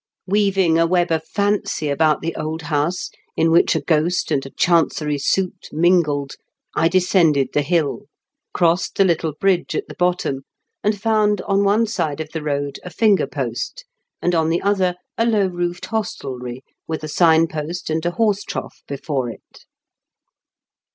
Weaving a web of fancy about the old house, in which a ghost and a Chancery suit mingled, I descended the hill, crossed the little bridge at the bottom, and found on one side of the road a finger post, and on the other a low roofed hostelry, with a sign post and a horse trough before it.